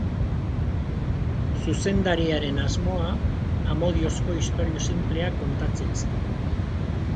Zuzendariaren asmoa amodiozko istorio sinplea kontatzea zen.